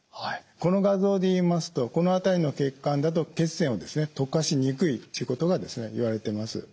この画像で言いますとこの辺りの血管だと血栓を溶かしにくいということがいわれています。